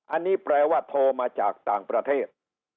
อันนี้แปลว่าโทรมาจากต่างประเทศ